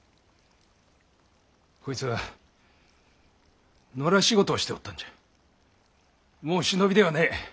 こいつは野良仕事をしておったんじゃもう忍びではねえ。